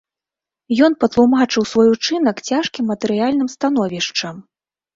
Ён патлумачыў свой учынак цяжкім матэрыяльным становішчам.